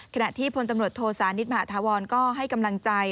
ขณะที่พลตำรวจโทสานิทมหาธาวรก็ให้กำลังใจ